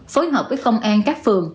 phối hợp với công an các phường